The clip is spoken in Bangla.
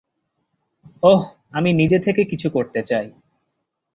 ওহ, আমি নিজে থেকে কিছু করতে চাই।